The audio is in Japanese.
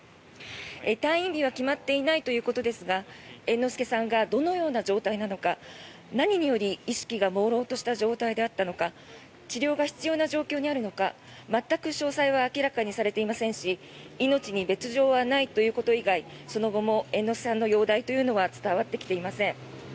退院日は決まっていないということですが猿之助さんがどのような状態なのか何により意識がもうろうとした状態だったのか治療が必要な状況にあるのか全く詳細は明らかにされていませんし命に別条はないということ以外その後も猿之助さんの容体というのは伝わってきていません。